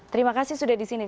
terima kasih sudah di sini